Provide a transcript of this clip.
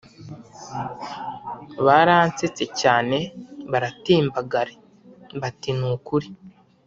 baransetse cyane baratembagare bati nukuri?